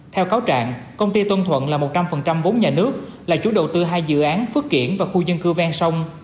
theo cáo trạng công ty tôn thuận là một trăm linh vốn nhà nước là chủ đầu tư hai dự án phước kiển và khu dân cư ven sông